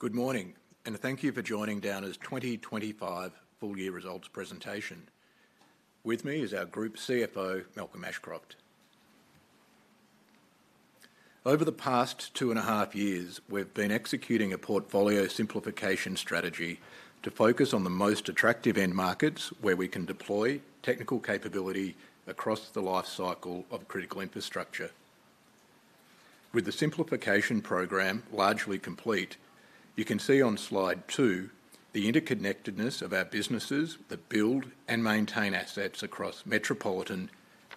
Good morning and thank you for joining Downer's 2025 Full Year Results Presentation. With me is our Group CFO Malcolm Ashcroft. Over the past two and a half years we've been executing a portfolio simplification strategy to focus on the most attractive end markets where we can deploy technical capability across the life cycle of critical infrastructure. With the simplification program largely complete, you can see on slide 2 the interconnectedness of our businesses that build and maintain assets across metropolitan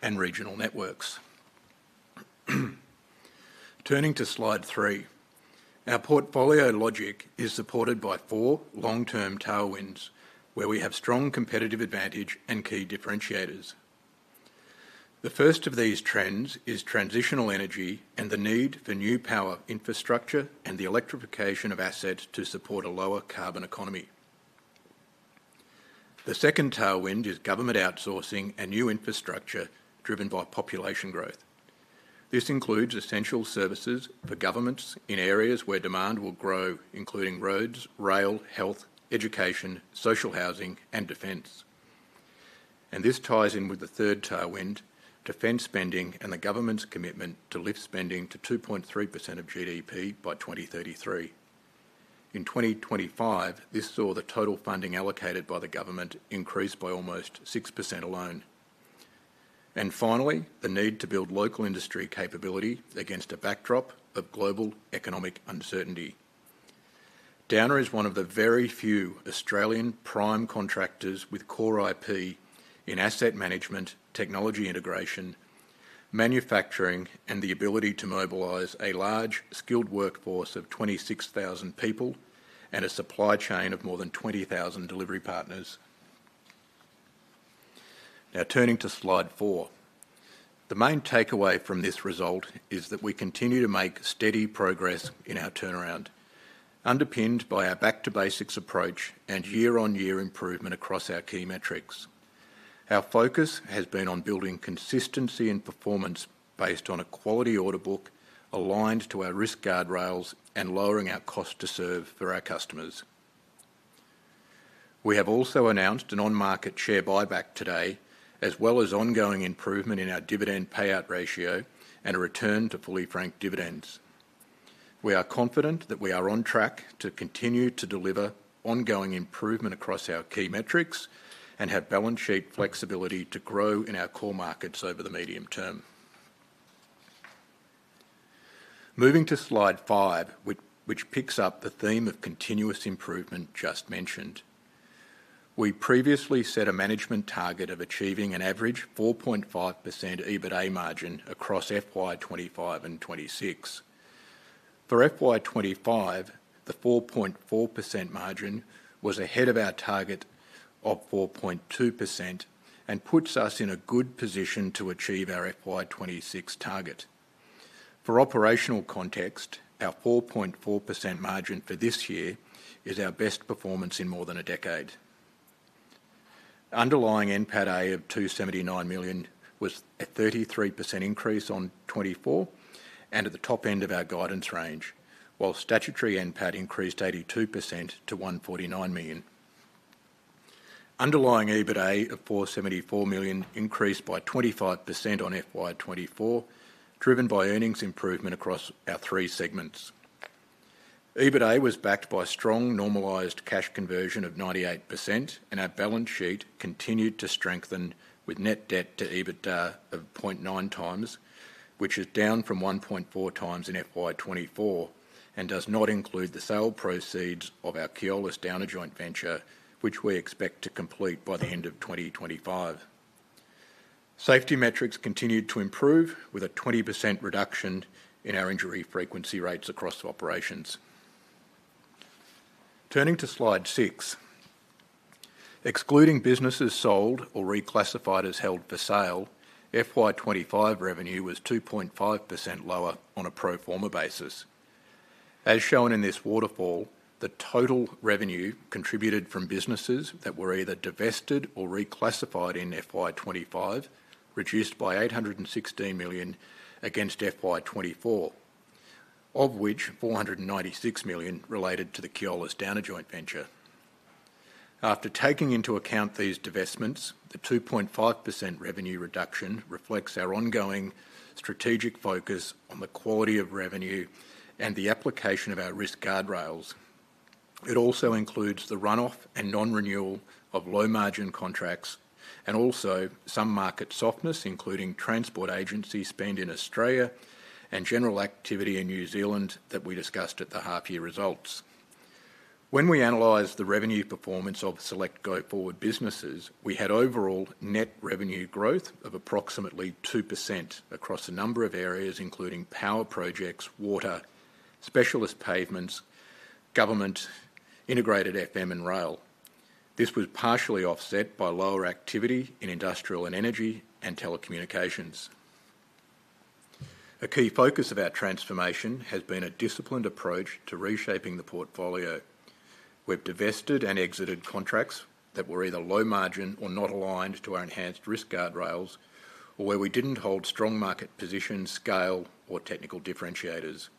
and regional networks. Turning to slide 3, our portfolio logic is supported by four long-term tailwinds where we have strong competitive advantage and key differentiators. The first of these trends is energy transition and the need for new power infrastructure and the electrification of assets to support a lower carbon economy. The second tailwind is government outsourcing and new infrastructure driven by population growth. This includes essential services for governments in areas where demand will grow, including roads, rail, health, education, social housing, and defense. This ties in with the third tailwind, defense spending and the government's commitment to lift spending to 2.3% of GDP by 2033. In 2025 this saw the total funding allocated by the government increase by almost 6% alone, and finally the need to build local industry capability against a backdrop of global economic uncertainty. Downer is one of the very few Australian prime contractors with core IP in asset management, technology integration, manufacturing, and the ability to mobilize a large skilled workforce of 26,000 people and a supply chain of more than 20,000 delivery partners. Now turning to slide 4. The main takeaway from this result is that we continue to make steady progress in our turnaround underpinned by our back to basics approach and year-on-year improvement across our key metrics. Our focus has been on building consistency and performance based on a quality order book aligned to our risk guardrails and lowering our cost to serve for our customers. We have also announced an on-market share buyback today as well as ongoing improvement in our dividend payout ratio and a return to fully franked dividends. We are confident that we are on track to continue to deliver ongoing improvement across our key metrics and have balance sheet flexibility to grow in our core markets over the medium term. Moving to Slide 5, which picks up the theme of continuous improvement just mentioned. We previously set a management target of achieving an average 4.5% EBITA margin across FY 2025 and FY 2026. For FY 2025, the 4.4% margin was ahead of our target of 4.2% and puts us in a good position to achieve our FY 2026 target. For operational context, our 4.4% margin for this year is our best performance in more than a decade. Underlying NPATA of 279 million was a 33% increase on FY 2024 and at the top end of our guidance range, while statutory NPAT increased 82% to 149 million. Underlying EBITA of 474 million increased by 25% on FY 2024, driven by earnings improvement across our three segments. EBITA was backed by strong normalized cash conversion of 98%, and our balance sheet continued to strengthen with net debt to EBITDA of 0.9x, which is down from 1.4x in FY 2024 and does not include the sale proceeds of our Keolis Downer Joint Venture, which we expect to complete by the end of 2025. Safety metrics continued to improve with a 20% reduction in our injury frequency rates across operations. Turning to Slide 6, excluding businesses sold or reclassified as held for sale, FY 2025 revenue was 2.5% lower on a pro forma basis. As shown in this waterfall, the total revenue contributed from businesses that were either divested or reclassified in FY 2025 reduced by 816 million against FY 2024, of which 496 million related to the Keolis Downer Joint Venture. After taking into account these divestments, the 2.5% revenue reduction reflects our ongoing strategic focus on the quality of revenue and the application of our risk guardrails. It also includes the runoff and non-renewal of low margin contracts and also some market softness, including transport agency spend in Australia and general activity in New Zealand that we discussed at the half year results. When we analyzed the revenue performance of select go-forward businesses, we had overall net revenue growth of approximately 2% across a number of areas, including power projects, water, specialist pavements, government integrated FM, and rail. This was partially offset by lower activity in industrial and energy and telecommunications. A key focus of our transformation has been a disciplined approach to reshaping the portfolio. We've divested and exited contracts that were either low margin or not aligned to our enhanced risk guardrails or where we didn't hold strong market position, scale, or technical differentiators.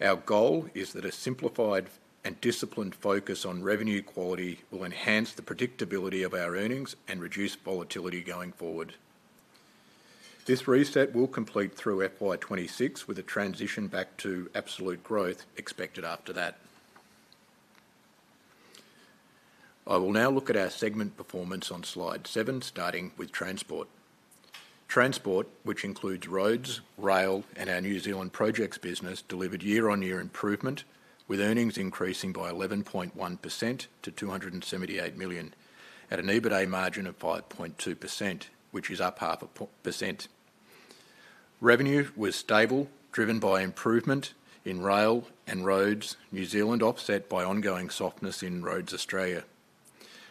Our goal is that a simplified and disciplined focus on revenue quality will enhance the predictability of our earnings and reduce volatility going forward. This reset will complete through FY 2026 with a transition back to absolute growth expected after that. I will now look at our segment performance on slide 7, starting with transportation. Transport, which includes roads, rail, and our New Zealand projects business, delivered year-on-year improvement with earnings increasing by 11.1% to 278 million at an EBITDA margin of 5.2%, which is up 0.5%. Revenue was stable, driven by improvement in rail and roads New Zealand, offset by ongoing softness in roads, Australia.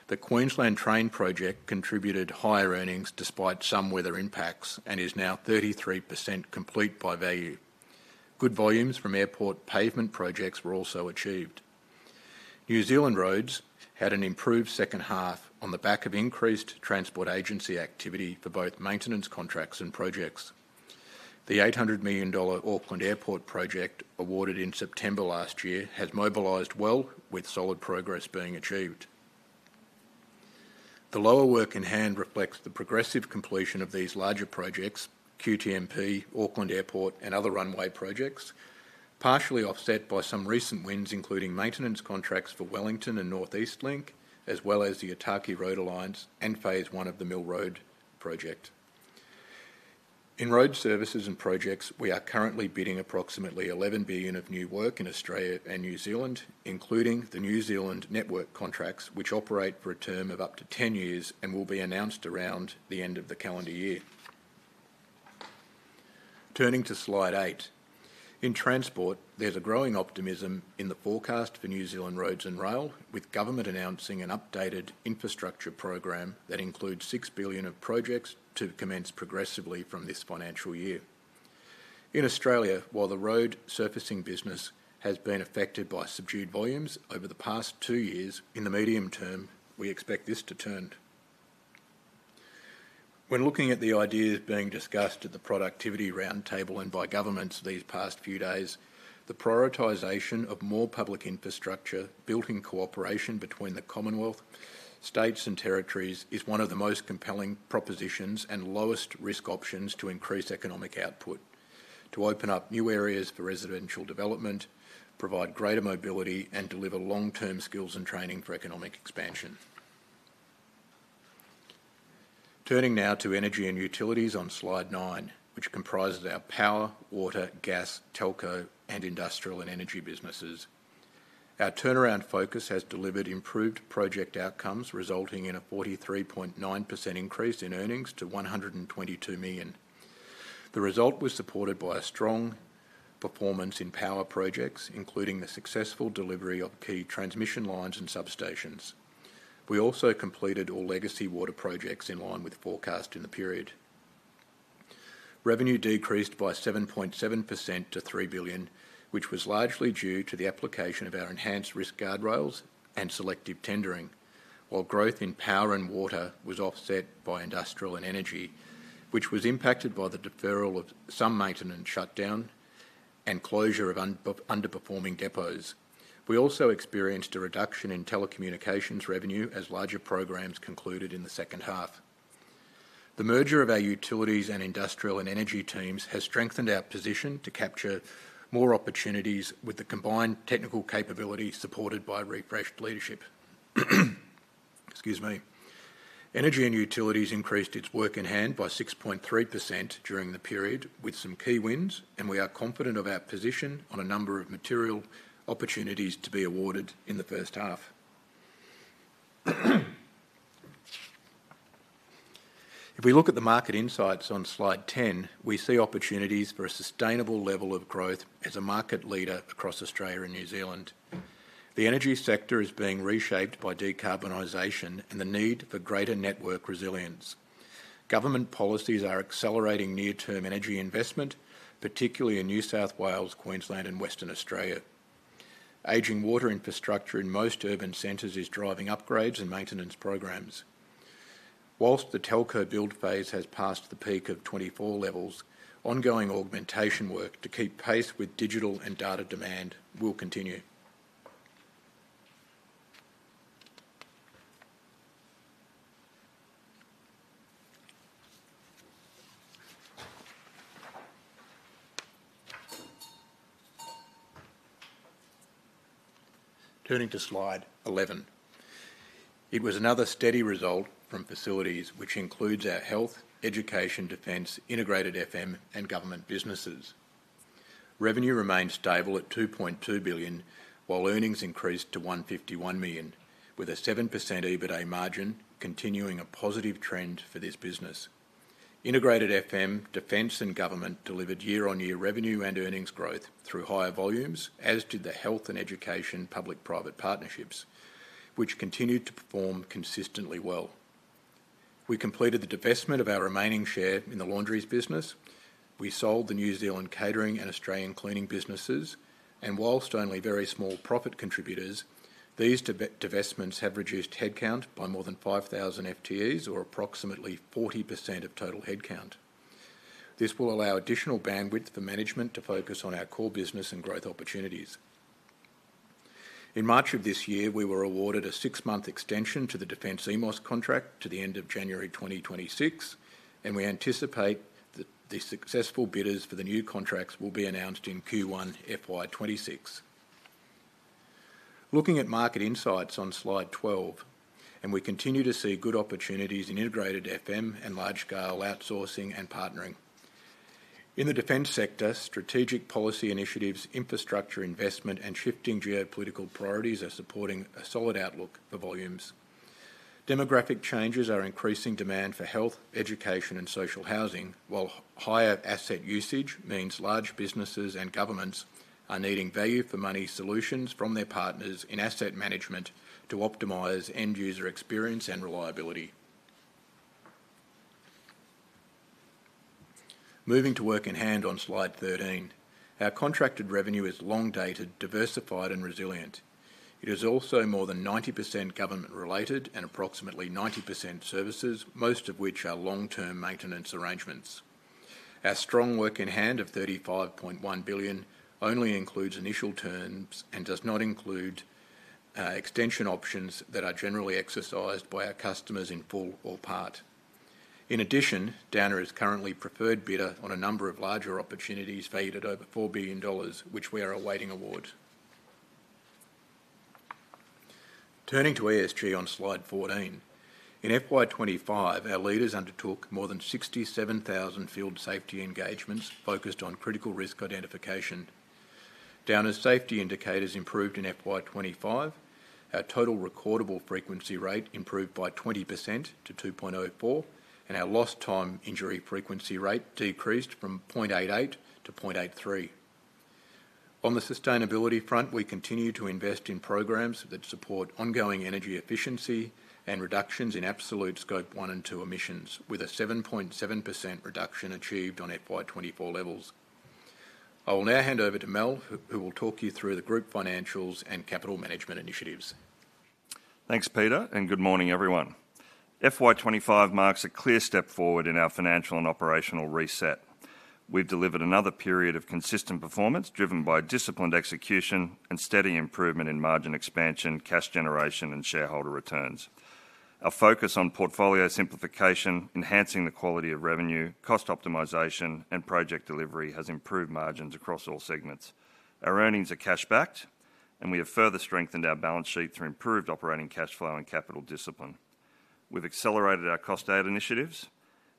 The Queensland train project contributed higher earnings despite some weather impacts and is now 33% complete by value. Good volumes from airport pavement projects were also achieved. New Zealand roads had an improved second half on the back of increased transport agency activity for both maintenance contracts and projects. The 800 million dollar Auckland Airport project awarded in September last year has mobilized well with solid progress being achieved. The lower work-in-hand reflects the progressive completion of these larger projects: QTMP, Auckland Airport, and other runway projects, partially offset by some recent wins including maintenance contracts for Wellington and North Eastlink as well as the Otaki Road alliance and phase one of the Mill Road project. In road services and projects, we are currently bidding approximately 11 billion of new work in Australia and New Zealand, including the New Zealand Network contracts which operate for a term of up to 10 years and will be announced around the end of the calendar year. Turning to slide 8 in transport, there's a growing optimism in the forecast for New Zealand roads and rail with government announcing an updated infrastructure program that includes 6 billion of projects to commence progressively from this financial year in Australia. While the road surfacing business has been affected by subdued volumes over the past two years, in the medium term we expect this to turn when looking at the ideas being discussed at the Productivity Roundtable and by governments these past few days. The prioritization of more public infrastructure built in cooperation between the Commonwealth, states, and territories is one of the most compelling propositions and lowest risk options to increase economic output, to open up new areas for residential development, provide greater mobility, and deliver long-term skills and training for economic expansion. Turning now to energy and utilities on slide 9, which comprises our power, water, gas, telco, and industrial and energy businesses. Our turnaround focus has delivered improved project outcomes resulting in a 43.9% increase in earnings to 122 million. The result was supported by a strong performance in power projects, including the successful delivery of key transmission lines and substations. We also completed all legacy water projects in line with forecast. In the period, revenue decreased by 7.7% to 3 billion, which was largely due to the application of our enhanced risk guardrails and selective tendering. While growth in power and water was offset by industrial and energy, which was impacted by the deferral of some maintenance, shutdown, and closure of underperforming depots. We also experienced a reduction in telecommunications revenue as larger programs concluded in the second half. The merger of our utilities and industrial and energy teams has strengthened our position to capture more opportunities, with the combined technical capability supported by refreshed leadership. Excuse me. Energy and utilities increased its work-in-hand by 6.3% during the period with some key wins, and we are confident of our position on a number of material opportunities to be awarded in the first half. If we look at the market insights on slide 10, we see opportunities for a sustainable level of growth as a market leader across Australia and New Zealand. The energy sector is being reshaped by decarbonization and the need for greater network resilience. Government policies are accelerating near-term energy investment, particularly in New South Wales, Queensland, and Western Australia. Aging water infrastructure in most urban centers is driving upgrades and maintenance programs, whilst the telco build phase has passed the peak of 2024 levels. Ongoing augmentation work to keep pace with digital and data demand will continue. Turning to slide 11, it was another steady result from facilities, which includes our health, education, defense, integrated FM, and government businesses. Revenue remained stable at AUD 2.2 billion while earnings increased to AUD 151 million with a 7% EBITDA margin, continuing a positive trend for this business. Integrated FM, Defence and Government delivered year on year revenue and earnings growth through higher volumes, as did the Health and Education public private partnerships, which continued to perform consistently well. We completed the divestment of our remaining share in the laundries business. We sold the New Zealand catering and Australian cleaning businesses, and whilst only very small profit contributors, these divestments have reduced headcount by more than 5,000 FTEs or approximately 40% of total headcount. This will allow additional bandwidth for management to focus on our core business and growth opportunities. In March of this year, we were awarded a six-month extension to the Defence EMOS contract to the end of January 2026, and we anticipate that the successful bidders for the new contracts will be announced in Q1 FY 2026. Looking at market insights on slide 12, we continue to see good opportunities in integrated FM and large-scale outsourcing and partnering in the Defence sector. Strategic policy initiatives, infrastructure investment and shifting geopolitical priorities are supporting a solid outlook for volumes. Demographic changes are increasing demand for health, education and social housing, while higher asset usage means large businesses and governments are needing value for money solutions from their partners in asset management to optimize end user experience and reliability. Moving to work-in-hand on slide 13, our contracted revenue is long dated, diversified and resilient. It is also more than 90% government related and approximately 90% services, most of which are long-term maintenance arrangements. Our strong work-in-hand of AUD 35.1 billion only includes initial terms and does not include extension options that are generally exercised by our customers in full or part. In addition, Downer is currently preferred bidder on a number of larger opportunities valued at over 4 billion dollars, which we are awaiting awards. Turning to ESG on slide 14, in FY 2025 our leaders undertook more than 67,000 field safety engagements focused on critical risk identification. Downer safety indicators improved in FY 2025, our total recordable frequency rate improved by 20% to 2.04 and our lost time injury frequency rate decreased from 0.88 to 0.83. On the sustainability front, we continue to invest in programs that support ongoing energy efficiency and reductions in absolute scope 1 and 2 emissions, with a 7.7% reduction achieved on FY 2024 levels. I will now hand over to Mal, who will talk you through the group financials and capital management initiatives. Thanks Peter and good morning everyone. FY 2025 marks a clear step forward in our financial and operational reset. We've delivered another period of consistent performance driven by disciplined execution and steady improvement in margin expansion, cash generation, and shareholder returns. Our focus on portfolio simplification, enhancing the quality of revenue, cost optimization, and project delivery has improved margins across all segments. Our earnings are cash backed and we have further strengthened our balance sheet through improved operating cash flow and capital discipline. We've accelerated our cost aid initiatives,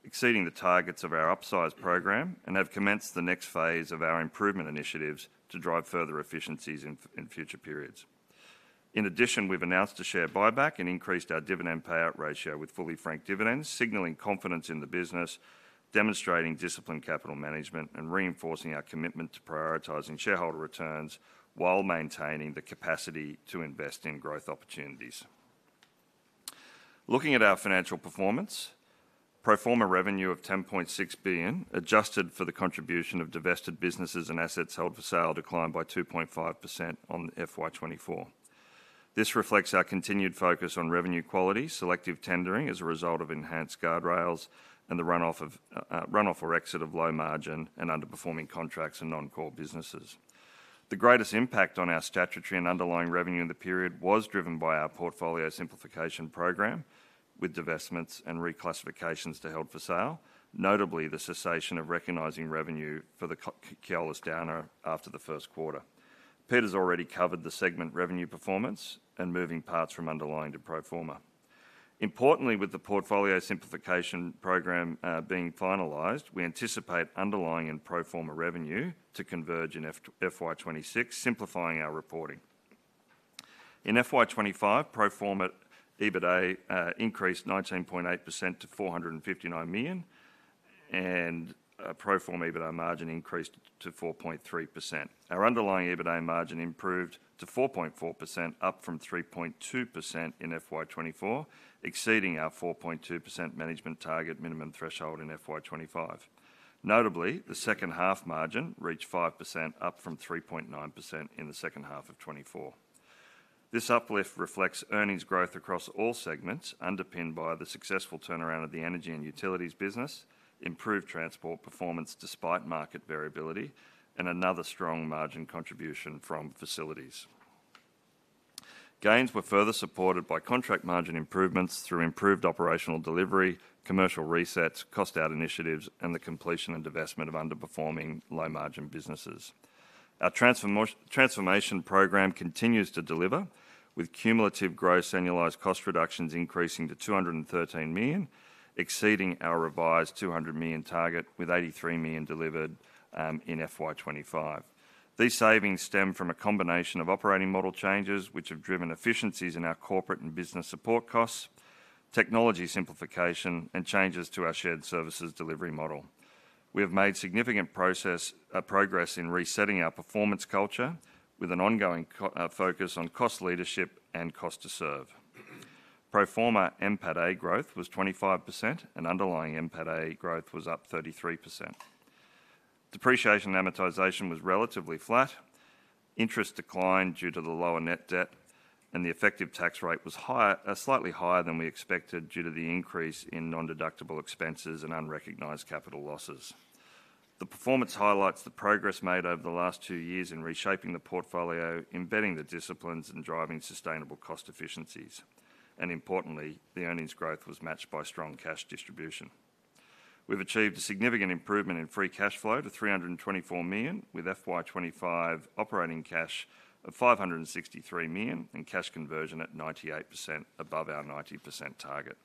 exceeding the targets of our upsized program, and have commenced the next phase of our improvement initiatives to drive further efficiencies in future periods. In addition, we've announced a share buyback and increased our dividend payout ratio with fully franked dividends, signaling confidence in the business, demonstrating disciplined capital management, and reinforcing our commitment to prioritizing shareholder returns while maintaining the capacity to invest in growth opportunities. Looking at our financial performance, pro forma revenue of 10.6 billion, adjusted for the contribution of divested businesses and assets held for sale, declined by 2.5% on FY 2024. This reflects our continued focus on revenue quality, selective tendering as a result of enhanced guardrails, and the runoff or exit of low margin and underperforming contracts and non-core businesses. The greatest impact on our statutory and underlying revenue in the period was driven by our portfolio simplification program with divestments and reclassifications to held for sale, notably the cessation of recognizing revenue for the Keolis Downer after the first quarter. Peter's already covered the segment revenue performance and moving parts from underlying to pro forma. Importantly, with the portfolio simplification program being finalized, we anticipate underlying and pro forma revenue to converge in FY 2026, simplifying our reporting. In FY 2025, pro forma EBITA increased 19.8% to 459 million and pro forma EBITA margin increased to 4.3%. Our underlying EBITA margin improved to 4.4%, up from 3.2% in FY 2024, exceeding our 4.2% management target minimum threshold in FY 2025. Notably, the second half margin reached 5%, up from 3.9% in second half 2024. This uplift reflects earnings growth across all segments underpinned by the successful turnaround of the energy and utilities business. Improved transport performance despite market variability and another strong margin contribution from facilities gains were further supported by contract margin improvements through improved operational delivery, commercial resets, cost out initiatives, and the completion and divestment of underperforming low margin businesses. Our transformation program continues to deliver with cumulative gross annualized cost reductions increasing to 213 million, exceeding our revised 200 million target, with 83 million delivered in FY 2025. These savings stem from a combination of operating model changes which have driven efficiencies in our corporate and business support costs, technology simplification, and changes to our shared services delivery model. We have made significant progress in resetting our performance culture with an ongoing focus on cost leadership and cost to serve. Pro forma NPATA growth was 25% and underlying NPATA growth was up 33%. Depreciation and amortization was relatively flat, interest declined due to the lower net debt, and the effective tax rate was slightly higher than we expected due to the increase in non-deductible expenses and unrecognized capital losses. The performance highlights the progress made over the last two years in reshaping the portfolio, embedding the disciplines, and driving sustainable cost efficiencies. Importantly, the earnings growth was matched by strong cash distribution. We've achieved a significant improvement in free cash flow to 324 million, with FY 2025 operating cash of 563 million and cash conversion at 98%, above our 90% target.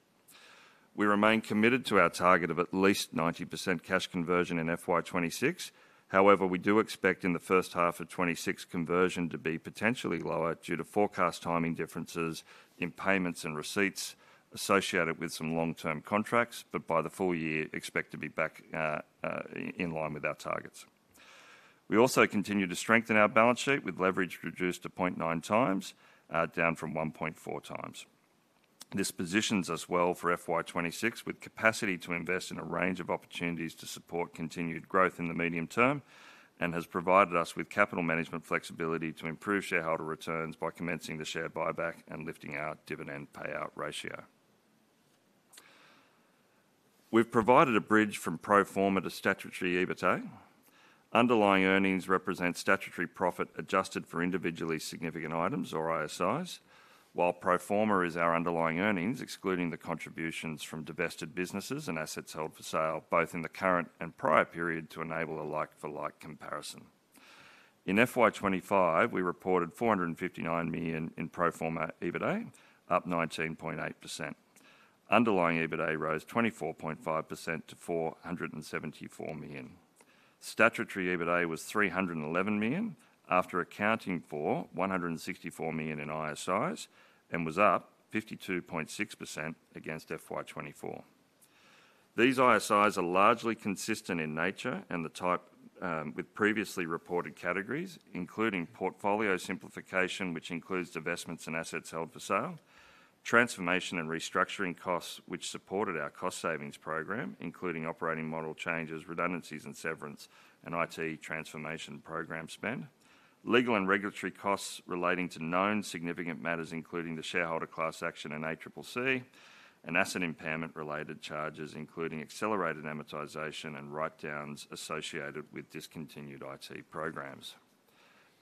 We remain committed to our target of at least 90% cash conversion in FY 2026. However, we do expect in the first half of 2026 conversion to be potentially lower due to forecast timing differences in payments and receipts associated with some long term contracts, but by the full year expect to be back in line with our targets. We also continue to strengthen our balance sheet with leverage reduced to 0.9x, down from 1.4x. This positions us well for FY 2026 with capacity to invest in a range of opportunities to support continued growth in the medium term and has provided us with capital management flexibility to improve shareholder returns by commencing the on-market share buyback and lifting our dividend payout ratio. We've provided a bridge from pro forma to statutory EBITDA. Underlying earnings represent statutory profit adjusted for individually significant items or ISIs operations, while pro forma is our underlying earnings excluding the contributions from divested businesses and assets held for sale both in the current and prior period. To enable a like-for-like comparison, in FY 2025 we reported 459 million in pro forma EBITA, up 19.8%. Underlying EBITA rose 24.5% to 474 million. Statutory EBITA was 311 million after accounting for 164 million in ISIs and was up 52.6% against FY 2024. These ISIs are largely consistent in nature and type with previously reported categories, including portfolio simplification, which includes divestments and assets held for sale, transformation and restructuring costs which supported our cost savings program, including operating model changes, redundancies and severance, and IT transformation program spending, legal and regulatory costs relating to known significant matters including the shareholder class action in ACCC, and asset impairment related charges including accelerated amortization and write-downs associated with discontinued IT programs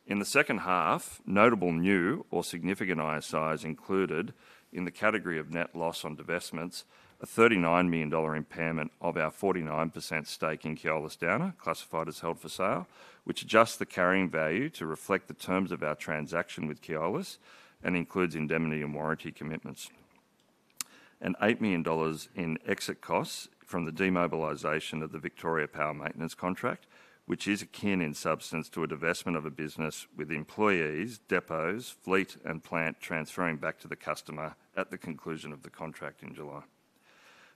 in the second half. Notable new or significant ISIs included in the category of net loss on divestments a 39 million dollar impairment of our 49% stake in Keolis Downer classified as held for sale, which adjusts the carrying value to reflect the terms of our transaction with Keolis and includes indemnity and warranty commitments, and 8 million dollars in exit costs from the demobilization of the Victorian Power Maintenance Contract, which is akin in substance to a divestment of a business with employees, depots, fleet, and plant transferring back to the customer at the conclusion of the contract in July.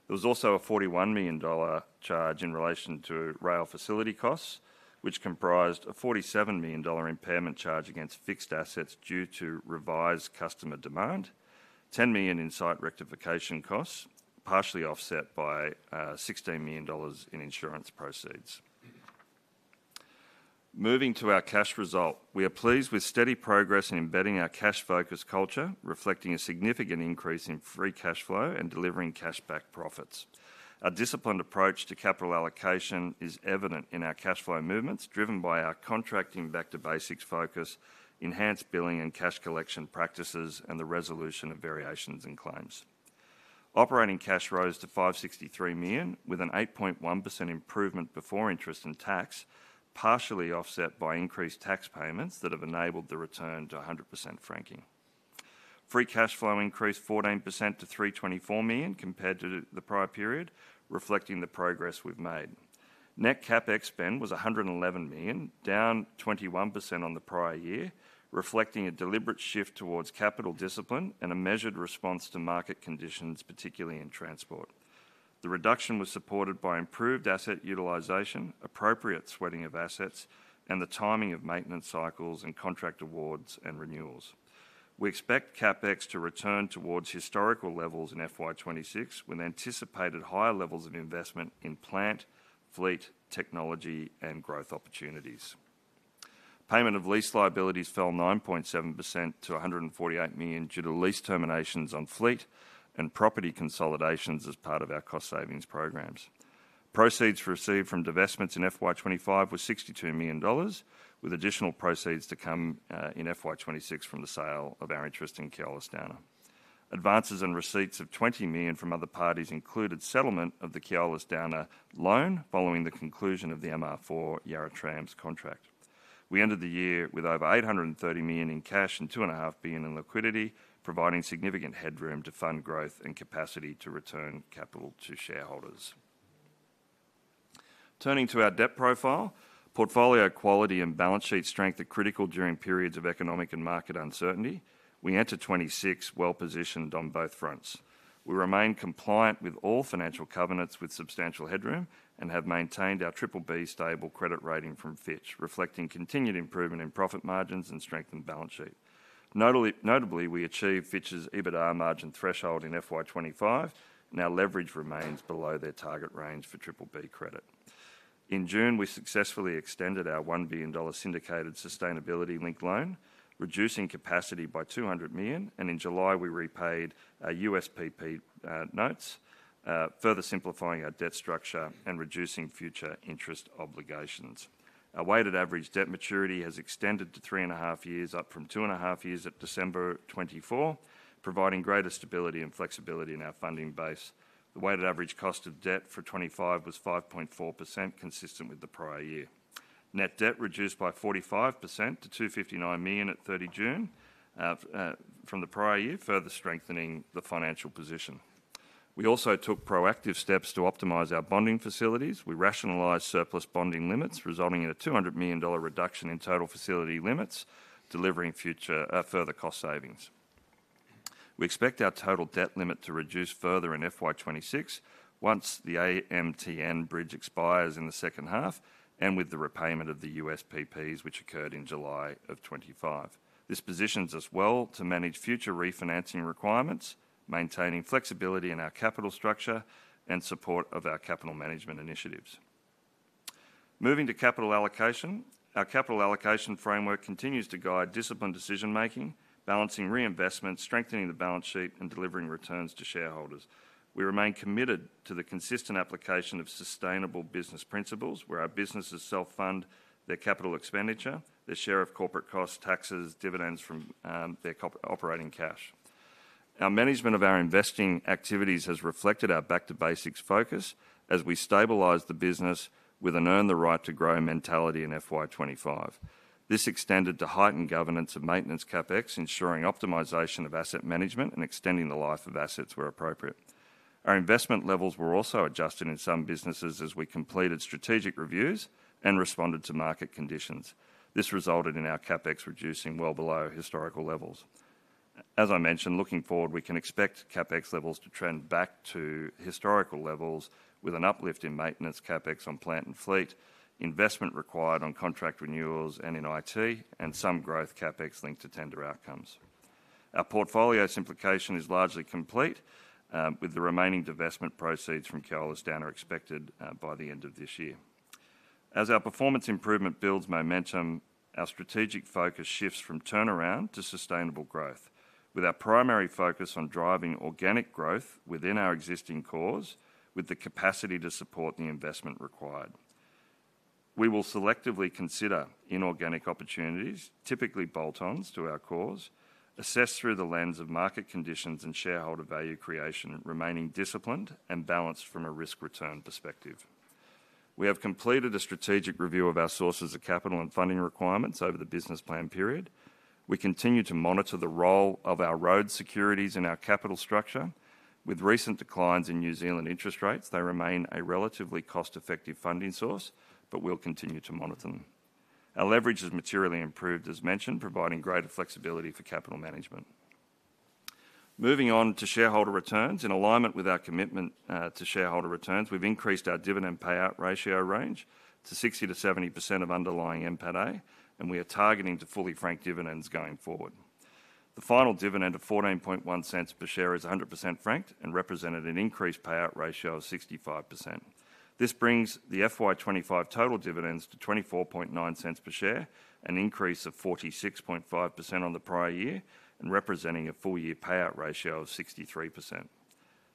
There was also a 41 million dollar charge in relation to rail facility costs, which comprised a 47 million dollar impairment charge against fixed assets due to reduced demand, 10 million in site rectification costs, partially offset by 16 million dollars in insurance proceeds. Moving to our cash result, we are pleased with steady progress in embedding our cash focus culture, reflecting a significant increase in free cash flow and delivering cash-backed profits. Our disciplined approach to capital allocation is evident in our cash flow movements, driven by our contracting back-to-basics focus, enhanced billing and cash collection practices, and the resolution of variations. Operating cash rose to 563 million with an 8.1% improvement before interest and tax, partially offset by increased tax payments that have enabled the return to 100% franking. Free cash flow increased 14% to 324 million compared to the prior period, reflecting the progress we've made. Net CapEx spend was 111 million, down 21% on the prior year, reflecting a deliberate shift towards capital discipline and a measured response to market conditions. Particularly, the reduction was supported by improved asset utilization, appropriate sweating of assets, and the timing of maintenance cycles and contract awards and renewals. We expect CapEx to return towards historical levels in FY 2026 with anticipated higher levels of investment in plant fleet, technology, and growth opportunities. Payment of lease liabilities fell 9.7% to 148 million due to lease terminations on fleet and property consolidations as part of our cost savings program. Proceeds received from divestments in FY 2025 were 62 million dollars, with additional proceeds to come in FY 2026 from the sale of our interest in Keolis Downer and receipts of 20 million from other parties, including settlement of the Keolis Downer loan following the conclusion of the Nov-24 Yarra Trams contract. We ended the year with over 830 million in cash and 2.5 billion in liquidity, providing significant headroom to fund growth and capacity to return capital to shareholders. Turning to our debt profile, portfolio quality and balance sheet strength are critical during periods of economic and market uncertainty. We enter FY 2026 well positioned on both fronts. We remain compliant with all financial covenants with substantial headroom and have maintained our BBB Stable credit rating from Fitch, reflecting continued improvement in profit margins and strengthened balance sheet. Notably, we achieved Fitch's EBITDA margin threshold in FY 2025. Now leverage remains below their target range for BBB credit. In June, we successfully extended our 1 billion dollar syndicated sustainability linked loan, reducing capacity by 200 million, and in July we repaid USPP notes, further simplifying our debt structure and reducing future interest obligations. Our weighted average debt maturity has extended to three and a half years, up from two and a half years at December 2024, providing greater stability and flexibility in our funding base. The weighted average cost of debt for FY 2025 was 5.4%, consistent with the prior year. Net debt reduced by 45% to 259 million at 30 June from the prior year, further strengthening the financial position. We also took proactive steps to optimize our bonding facilities. We rationalized surplus bonding limits, resulting in a 200 million dollar reduction in total facility limits, delivering further cost savings. We expect our total debt limit to reduce further in FY 2026 once the AMTN bridge expires in the second half and with the repayment of the USPPs, which occurred in July of 2025. This positions us well to manage future refinancing requirements, maintaining flexibility in our capital structure and support of our capital management initiatives. Moving to Capital Allocation, our capital allocation framework continues to guide disciplined decision making, balancing reinvestment, strengthening the balance sheet, and delivering returns to shareholders. We remain committed to the consistent application of sustainable business principles where our businesses self-fund their capital expenditure, their share of corporate costs, taxes, dividends from their operating cash. Our management of our investing activities has reflected our back to basics focus as we stabilize the business with an earn the right to grow mentality. In FY 2025, this extended to heightened governance of maintenance CapEx, ensuring optimization of asset management and extending the life of assets where appropriate. Our investment levels were also adjusted in some businesses as we completed strategic reviews and responded to market conditions. This resulted in our CapEx reducing well below historical levels. As I mentioned, looking forward we can expect CapEx levels to trend back to historical levels with an uplift in maintenance CapEx on plant and fleet investment required, on contract renewals, and in IT and some growth CapEx. CapEx linked to tender outcomes. Our portfolio simplification is largely complete with the remaining divestment. Proceeds from Keolis Downer are expected by the end of this year. As our performance improvement builds momentum, our strategic focus shifts from turnaround to sustainable growth with our primary focus on driving organic growth within our existing cores with the capacity to support the investment required. We will selectively consider inorganic opportunities, typically bolt-ons to our cores, assessed through the lens of market conditions and shareholder value creation, remaining disciplined and balanced from a risk-return perspective. We have completed a strategic review of our sources of capital and funding requirements over the business plan period. We continue to monitor the role of our road securities in our capital structure. With recent declines in New Zealand interest rates, they remain a relatively cost-effective funding source, but we'll continue to monitor them. Our leverage has materially improved as mentioned, providing greater flexibility for capital management. Moving on to shareholder returns, in alignment with our commitment to shareholder returns, we've increased our dividend payout ratio range to 60%-70% of underlying NPATA and we are targeting to fully frank dividends going forward. The final dividend of 0.141 per share is 100% franked and represented an increased payout ratio of 65%. This brings the FY 2025 total dividends to 0.249 per share, an increase of 46.5% on the prior year and representing a full year payout ratio of 63%.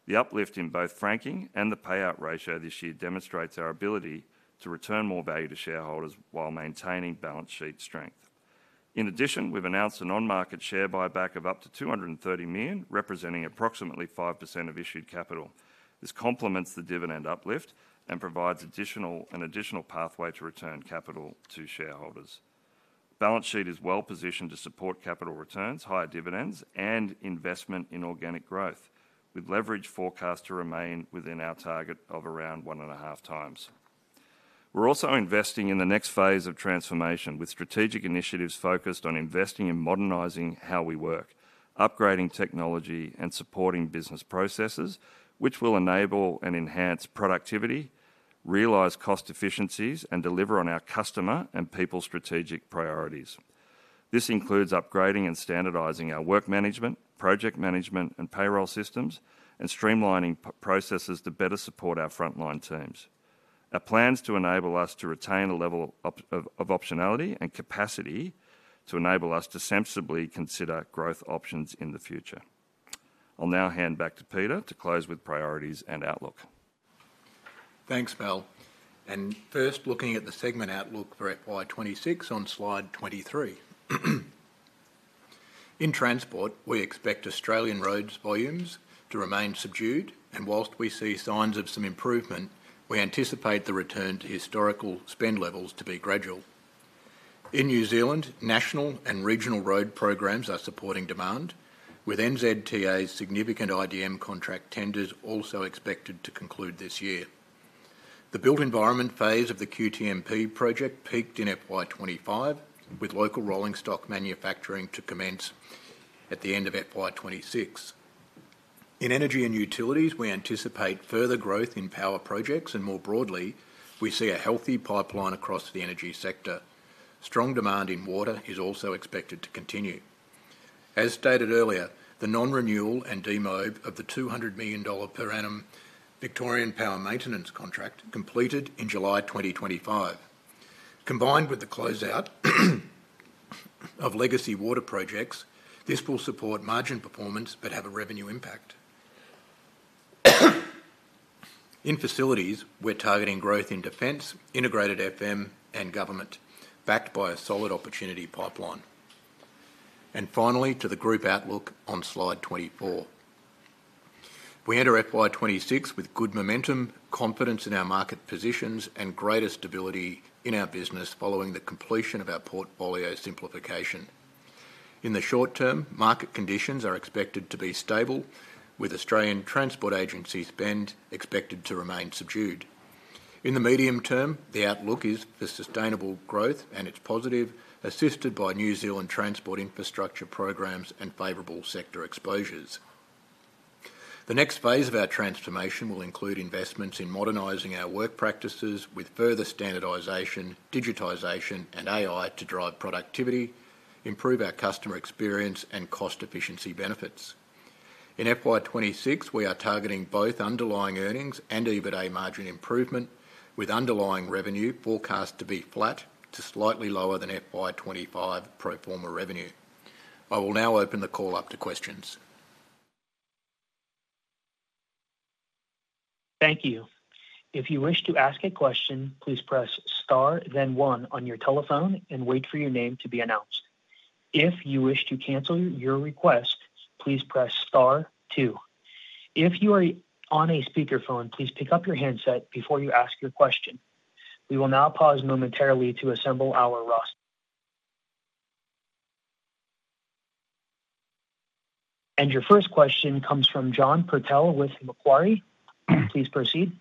The uplift in both franking and the payout ratio this year demonstrates our ability to return more value to shareholders while maintaining balance sheet strength. In addition, we've announced an on-market share buyback of up to 230 million, representing approximately 5% of issued capital. This complements the dividend uplifting and provides an additional pathway to return capital to shareholders. Balance sheet is well positioned to support capital returns, higher dividends, and investment in organic growth with leverage forecast to remain within our target of around one and a half times. We're also investing in the next phase of transformation with strategic initiatives focused on investing and modernizing how we work, upgrading technology, and supporting business processes which will enable and enhance productivity, realize cost efficiencies, and deliver on our customer and people strategic priorities. This includes upgrading and standardizing our work management, project management, and payroll systems and streamlining processes to better support our frontline teams. Our plans enable us to retain a level of optionality and capacity to enable us to sensibly consider growth options in the future. I'll now hand back to Peter to close with priorities and outlook. Thanks Mal and first looking at the segment outlook for FY 2026 on Slide 23. In transport, we expect Australian roads volumes to remain subdued, and whilst we see signs of some improvement, we anticipate the return to historical spend levels to be gradual. In New Zealand, national and regional road programs are supporting demand, with NZTA's significant IDM contract tenders also expected to conclude this year. The built environment phase of the QTMP project peaked in FY 2025, with local rollingstock manufacturing to commence at the end of FY 2026. In energy and utilities, we anticipate further growth in power projects, and more broadly we see a healthy pipeline across the energy sector. Strong demand in water is also expected to continue. As stated earlier, the non-renewal and demo of the 200 million dollar per annum Victorian Power Maintenance Contract completed in July 2025, combined with the closeout of legacy water projects, will support margin performance but have a revenue impact in facilities. We're targeting growth in defense, integrated FM, and government, backed by a solid opportunity pipeline. Finally, to the group outlook on Slide 24. We enter FY 2026 with good momentum, confidence in our market positions, and greater stability in our business following the completion of our portfolio simplification. In the short term, market conditions are expected to be stable, with Australian transport agencies spend expected to remain subdued. In the medium term, the outlook is for sustainable growth and it's positive, assisted by New Zealand transport infrastructure programs and favorable sector exposures. The next phase of our transformation will include investments in modernizing our work practices, with further standardization, digitization, and AI to drive productivity, improve our customer experience, and cost efficiency benefits. In FY 2026, we are targeting both underlying earnings and EBITA margin improvement, with underlying revenue forecast to be flat to slightly lower than FY 2025 pro forma revenue. I will now open the call up to questions. Thank you. If you wish to ask a question, please press Star then one on your telephone and wait for your name to be announced. If you wish to cancel your request, please press Star two. If you are on a speakerphone, please pick up your handset before you ask your question. We will now pause momentarily to assemble our group and your first question comes from John Purtell with Macquarie. Please proceed.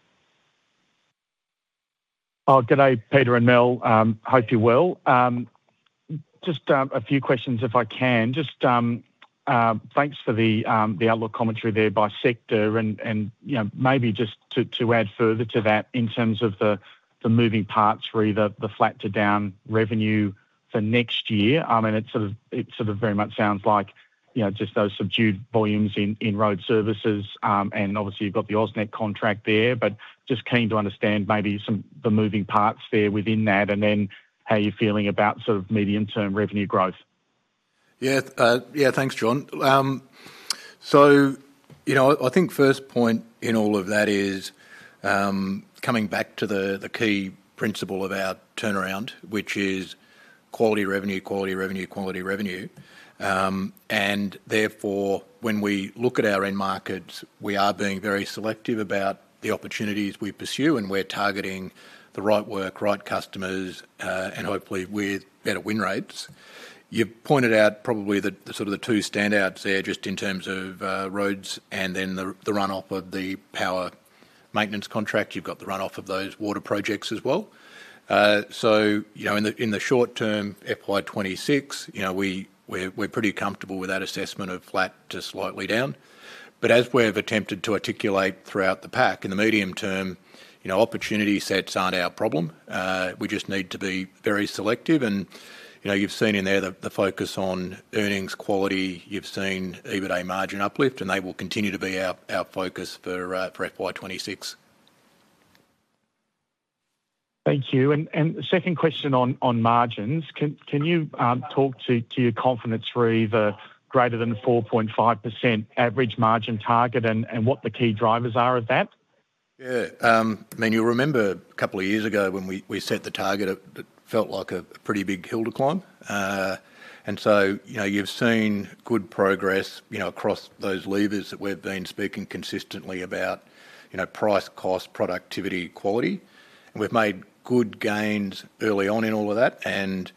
G'day Peter and Malcolm, hope you're well. Just a few questions if I can, just thanks for the outlook commentary there by sector and maybe just to add further to that in terms of the moving parts, really the flat to down revenue for next year, it sort of very much sounds like just those subdued volumes in road services and obviously you've got the AusNet contract there, but just keen to understand maybe some of the moving parts there within that and then how you're feeling about sort of medium term revenue growth. Yeah, thanks John. I think first point in all of that is coming back to the key principle of our turnaround, which is quality revenue. Quality revenue, quality revenue. Therefore, when we look at our end markets, we are being very selective about the opportunities we pursue and we're targeting the right work, right customers and hopefully with our win rates, you've pointed out probably the sort of the two standouts there just in terms of roads and then the runoff of the power maintenance contract. You've got the runoff of those water projects as well. In the short term, FY 2026, we're pretty comfortable with that assessment of flat to slightly down. As we've attempted to articulate throughout the pack, in the medium term, opportunity sets aren't our problem. We just need to be very selective. You've seen in there the focus on earnings quality. You've seen EBITA margin uplift and they will continue to be our focus for FY 2026. Thank you. The second question on margins, can you talk to your confidence regarding a greater than 4.5% average margin target and what the key drivers are of that? Yeah, I mean, you'll remember a couple of years ago when we set the target at, it felt like a pretty big hill to climb. You've seen good progress across those levers that we've been speaking consistently about: price, cost, productivity, quality. We've made good gains early on in all of that, and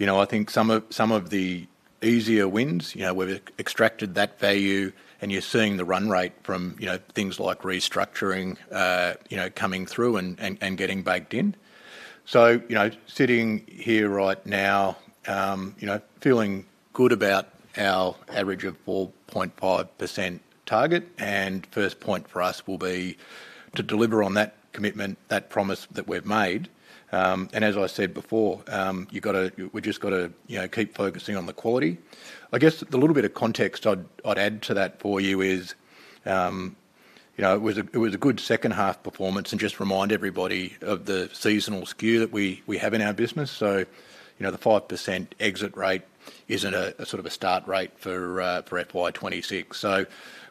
I think some of the easier wins, we've extracted that value. You're seeing the run rate from things like restructuring coming through and getting baked in. Sitting here right now, feeling good about our average of 4.5% target, and first point for us will be to deliver on that commitment, that promise that we've made. As I said before, we just gotta keep focusing on the quality. I guess the little bit of context I'd add to that for you is, it was a good second half performance and just remind everybody of the seasonal skew that we have in our business. The 5% exit rate isn't a sort of a start rate for FY 2026.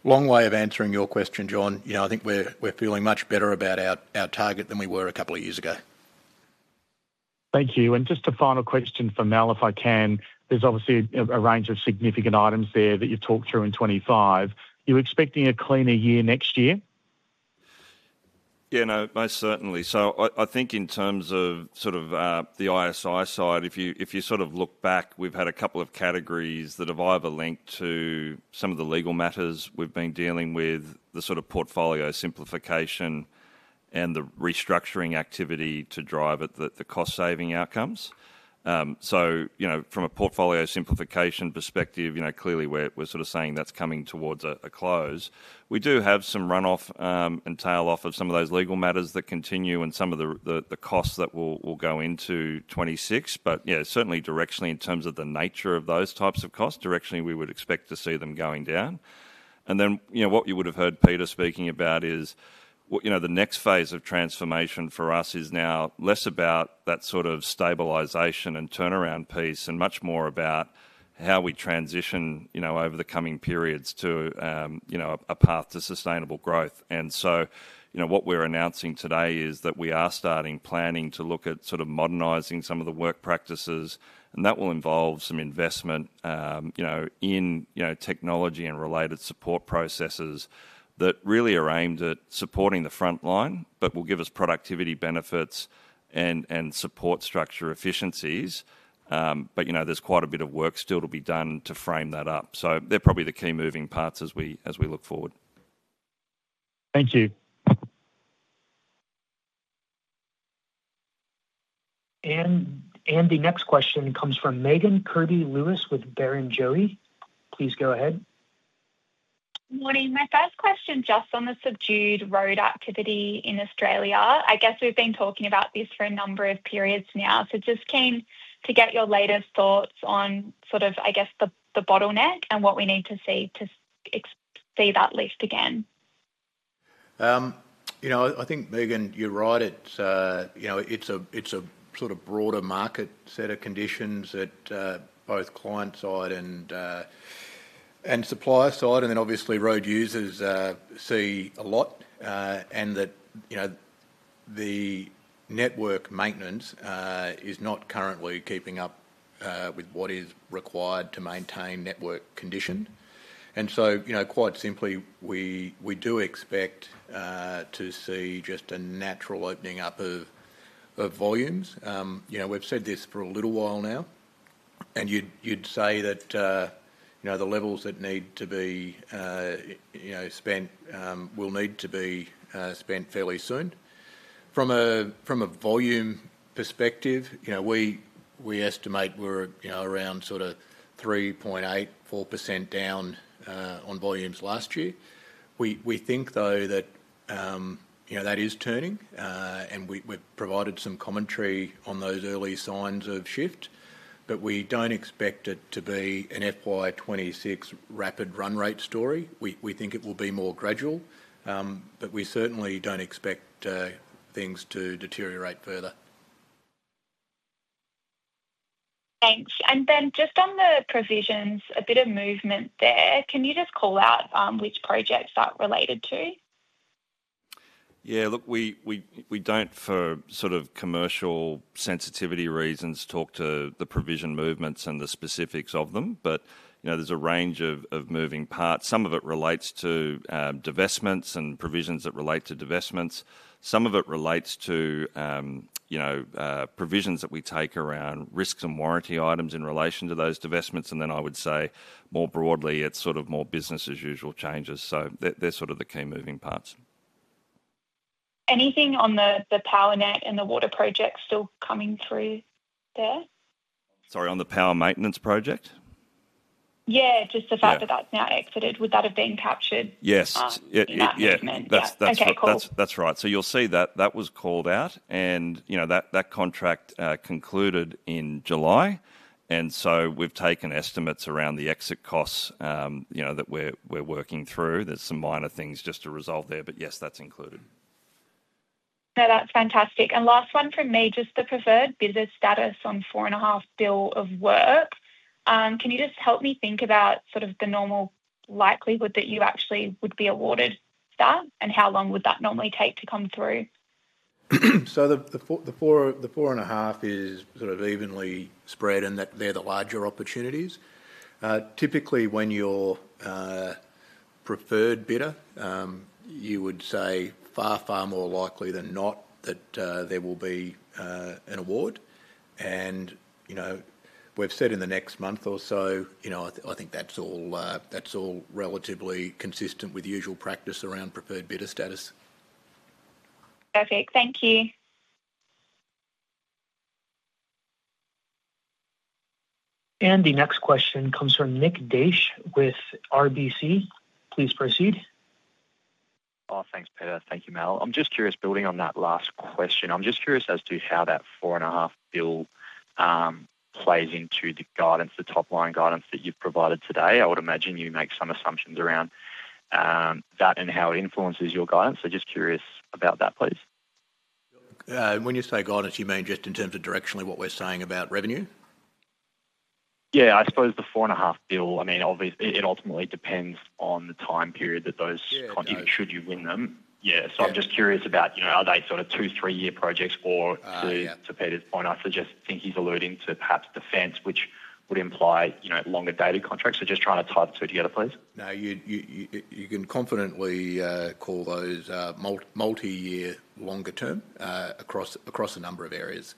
Long way of answering your question, John. I think we're feeling much better about our target than we were a couple of years ago. Thank you. Just a final question for Mal, if I can. There's obviously a range of significant items there that you've talked through in 2025. You expecting a cleaner year next year? Yeah, no, most certainly. I think in terms of the ISI side, if you look back, we've had a couple of categories that have either linked to some of the legal matters we've been dealing with, the portfolio simplification and the restructuring activity to drive the cost saving outcomes. From a portfolio simplification perspective, clearly we're saying that's coming towards a close. We do have some runoff and tail off of some of those legal matters that continue and some of the costs that will go into 2026. Yeah, certainly directionally, in terms of the nature of those types of costs, directionally, we would expect to see them going down. What you would have heard Peter speaking about is the next phase of transformation for us is now less about that stabilization and turnaround piece and much more about how we transition over the coming periods to a path to sustainable growth. What we're announcing today is that we are starting planning to look at modernizing some of the work practices and that will involve some investment in technology and related support processes that really are aimed at supporting the front line but will give us productivity benefits and support structure efficiencies. There's quite a bit of work still to be done to frame that up. They're probably the key moving parts as we look forward. Thank you. The next question comes from Megan Kirby-Lewis with Barrenjoey, please go ahead. Morning. My first question just on the subdued road activity in Australia. We've been talking about this for a number of periods now. Just keen to get your latest thoughts on the bottleneck and what we need to see to see that lift again. I think, Megan, you're right. It's a sort of broader market set of conditions at both client side and supplier side. Obviously, road users see a lot and the network maintenance is not currently keeping up with what is required to maintain network condition. Quite simply, we do expect to see just a natural opening up of volumes. We've said this for a little while now and you'd say that the levels that need to be spent will need to be spent fairly soon. From a volume perspective, we estimate we're around 3.84% down on volumes last year. We think, though, that is turning and we've provided some commentary on those early signs of shift. We don't expect it to be an FY 2026 rapid run rate story. We think it will be more gradual, but we certainly don't expect things to deteriorate further. Thanks. Ben, just on the provisions, there's a bit of movement there. Can you just call out which projects that related to? Yeah, look, we don't for sort of commercial sensitivity reasons talk to the provision movements and the specifics of them. You know, there's a range of moving parts. Some of it relates to divestments and provisions that relate to divestments, some of it relates to provisions that we take around risks and warranty items in relation to those divestments. I would say more broadly it's sort of more business as usual changes. They're sort of the key moving parts. Anything on the Power and the Water project still coming through there? Sorry, on the power maintenance project. Yeah. Just the fact that that's now exited, would that have been captured? Yes, that's right. You'll see that was called. You know that contract concluded in July, and we've taken estimates around the exit costs that we're working through. are some minor things just to resolve there, but yes, that's included. No, that's fantastic. Last one from me, just the preferred bidder status on 4.5 billion of work. Can you just help me think about sort of the normal likelihood that you actually would be awarded that and how long would that normally take to come through? The four and a half is sort of evenly spread and they're the larger opportunities. Typically, when you're preferred bidder, you would say far, far more likely than not that there will be an award, and we've said in the next month or so. I think that's all relatively consistent with usual practice around preferred bidder status. Perfect, thank you. The next question comes from Nick Daish with RBC. Please proceed. Oh, thanks Peter. Thank you, Mal. I'm just curious, building on that last question, I'm just curious as to how that 4.5 billion plays into the guidance, the top line guidance that you've provided today. I would imagine you make some assumptions around that and how it influences your guidance. Just curious about that, please. When you say guidance, you mean just in terms of directionally what we're saying about revenue? Yeah, I suppose the 4.5 billion, I mean obviously it ultimately depends on the time period that those, should you win them. I'm just curious about, you know, are they sort of two or three year projects. To Peter's point, I just think he's alluding to perhaps defense, which would imply longer dated contracts. Just trying to tie the two together, please. Now you can confidently call those multi-year, longer term across a number of. Areas.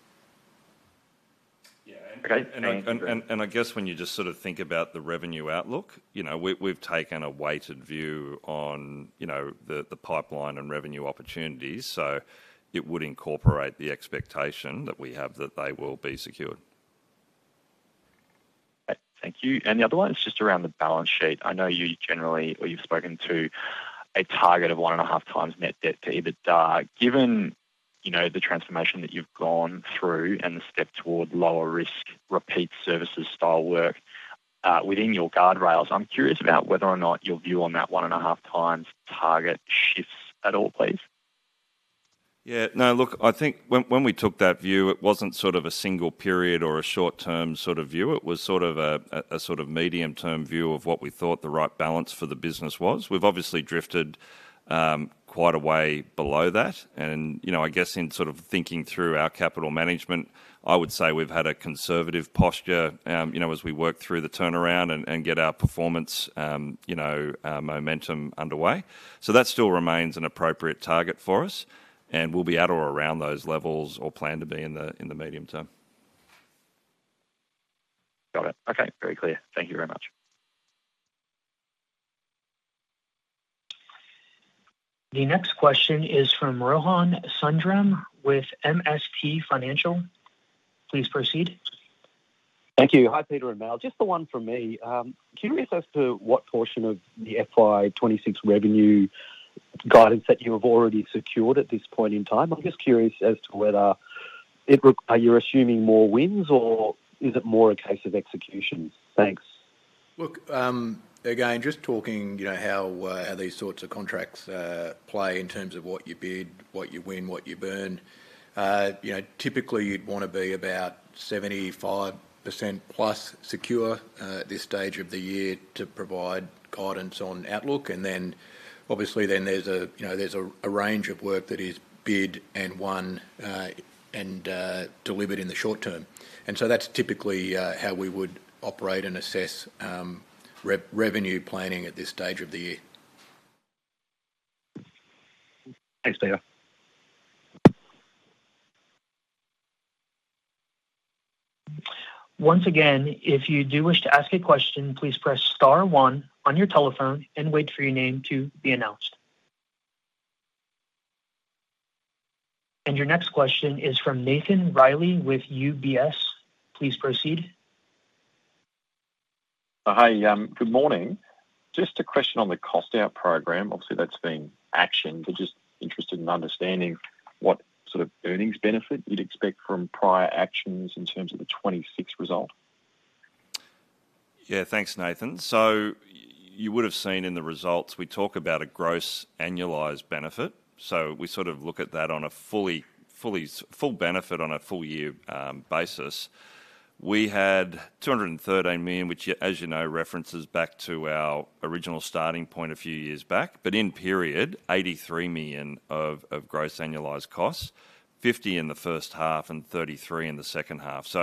When you just sort of think about the revenue outlook, we've taken a weighted view on the pipeline and revenue opportunities. It would incorporate the expectation that we have that they will be secured. Thank you. The other one is just around the balance sheet. I know you generally or you've spoken to a target of 1.5x net debt to EBITDA. Given you know, the transformation that you've gone through and the step toward lower risk, repeat services style work within your guardrails, I'm curious about whether or not your view on that 1.5x target shifts at all, please. Yeah, no, look, I think when we took that view it wasn't a single period or a short term view. It was a medium term view of what we thought the right balance for the business was. We've obviously drifted quite a way below that. I guess in thinking through our capital management, I would say we've had a conservative posture as we work through the turnaround and get our performance momentum underway. That still remains an appropriate target for us and we'll be at or around those levels or plan to be in the medium term. Okay, very clear, thank you very much. The next question is from Rohan Sundram with MST Financial. Please proceed. Thank you. Hi, Peter and Mal, just the one from me, curious as to what portion of the FY 2026 revenue guidance that you have already secured at this point in time. I'm just curious as to whether you are assuming more wins or is it more a case of executions? Thanks. Look, just talking how these sorts of contracts play in terms of what you bid, what you win, what you burn. Typically you'd want to be about 75%+ secure at this stage of the year to provide guidance on outlook. Obviously there's a range of work that is bid and won and delivered in the short term. That's typically how we would operate and assess revenue planning at this stage of the year. Thanks, Peter. Once again, if you do wish to ask a question, please press Star one on your telephone and wait for your name to be announced. Your next question is from Nathan Reilly with UBS. Please proceed. Hi, good morning. Just a question on the cost out program. Obviously that's been actioned, but just interested in understanding what sort of earnings benefit you'd expect from prior actions in terms of the 2026 result? Yeah, thanks, Nathan. You would have seen in the results we talk about a gross annualized benefit. We sort of look at that on a full benefit, on a full year basis we had 213 million, which, as you know, references back to our. Original starting point a few years back. In period, 83 million of gross annualized costs, 50 million in the first half. were 33 million in the second half.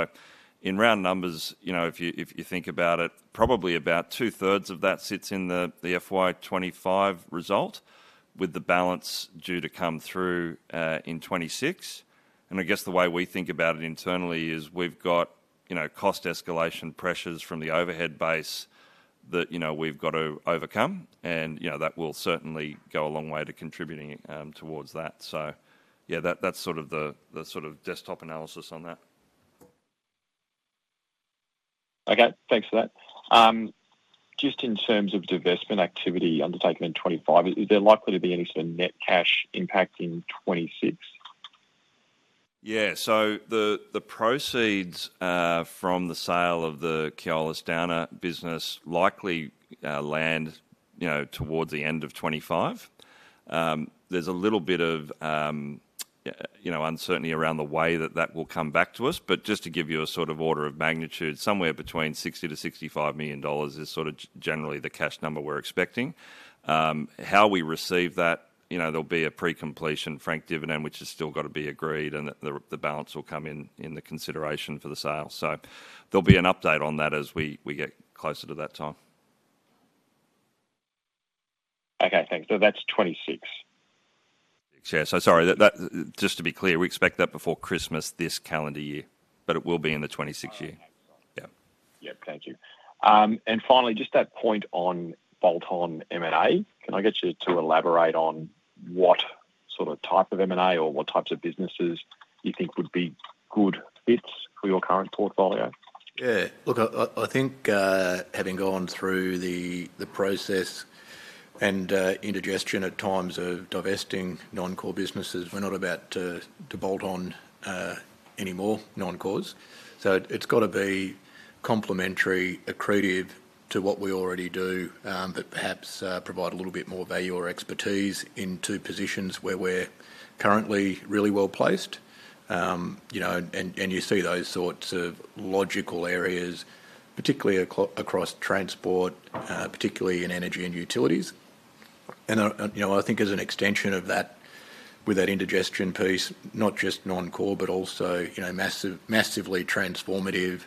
In round numbers, you know, if you think about it, probably about two thirds of that sits in the FY 2025 result with the balance due in 2026. I guess the way we think about it internally is we've got cost escalation pressures from the overhead base that we've got to overcome, and that will certainly go a long way to contributing towards that. That's sort of the sort. Of desktop analysis on that. Okay, thanks for that. Just in terms of divestment activity undertaken in 2025, is there likely to be any sort of net cash impact in 2026? Yeah, so the proceeds from the sale of the Keolis Downer business likely land, you know, towards the end of 2025. There's a little bit of, you know, uncertainty around the way that that will come back to us. Just to give you a sort of order of magnitude, somewhere between 60 million-65 million dollars is sort of generally the cash number we're expecting how we receive that. There'll be a pre-completion franked dividend which has still got to be agreed and the balance will come. In the consideration for the sale. There'll be an update on that as we get closer to that time. Okay, thanks. That's 2026. Sorry, just to be clear, we expect that before Christmas this calendar year, but it will be in the 2026 year. Thank you. Finally, just that point on bolt-on M&A. I'll get you to elaborate on what sort of type of M&A or what types of businesses you think would be good fits for your current portfolio. Yeah, look, I think having gone through the process and indigestion at times of divesting non-core businesses, we're not about to bolt on any more non-cores. It's got to be complementary, accretive to what we already do, but perhaps provide a little bit more value or expertise into positions where we're currently really well placed, you know, and you see those sorts of logical areas, particularly across transport, particularly in energy and utilities. I think as an extension of that with that indigestion piece, not just non-core but also, you know, massively transformative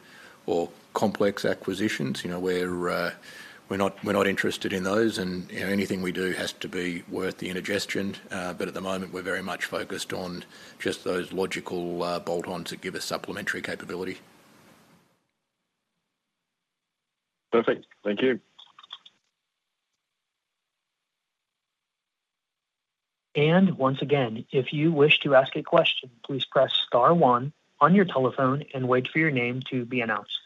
or complex acquisitions, we're not interested in those and anything we do has to be worth the indigestion. At the moment we're very much focused on just those logical bolt-ons that give us supplementary capability. Perfect. Thank you. If you wish to ask a question, please press star one on your telephone and wait for your name to be announced.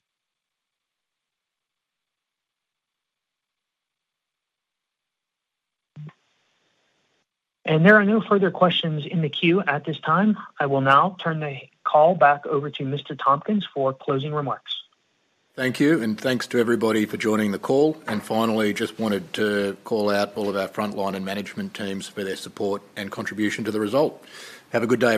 There are no further questions in the queue at this time. I will now turn the call back over to Mr. Tompkins for closing remarks. Thank you, and thanks to everybody for joining the call. Finally, just wanted to call out all of our frontline and management teams for their support and contribution to the result. Have a good day.